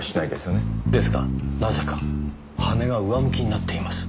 ですがなぜか羽根が上向きになっています。